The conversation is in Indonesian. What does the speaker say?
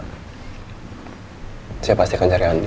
siapa yang pasti akan cari andin